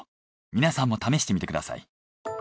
皆さんも試してみてください。